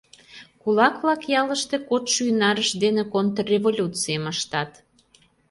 Кулак-влак ялыште кодшо ӱнарышт дене контрреволюцийым ыштат.